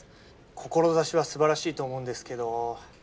志は素晴らしいと思うんですけど。